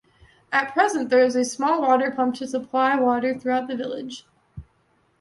At present there is a small water pump to supply water throughout the village.